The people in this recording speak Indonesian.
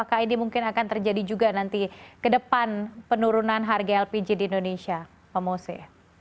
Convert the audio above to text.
apakah ini mungkin akan terjadi juga nanti ke depan penurunan harga lpg di indonesia pak mose